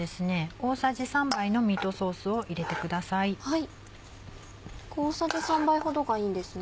大さじ３杯ほどがいいんですね。